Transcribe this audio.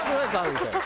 みたいな。